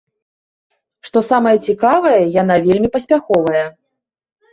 Што самае цікавае, яна вельмі паспяховая.